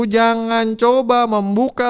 jangan coba membuka